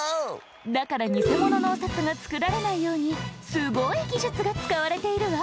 だからニセモノのお札がつくられないようにすごいぎじゅつが使われているわ。